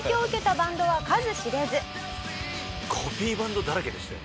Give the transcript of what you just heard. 「コピーバンドだらけでしたよね」